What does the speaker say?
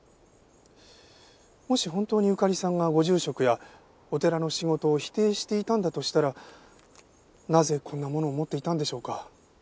もし本当にゆかりさんがご住職やお寺の仕事を否定していたんだとしたらなぜこんなものを持っていたんでしょうか？